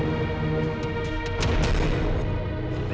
jadi kita bareng